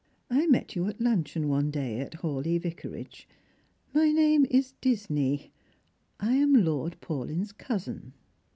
*' I met you at luncheon one day at Hawleigh Vicarage. My name is Disney. I am Lord Paulyn's cousin."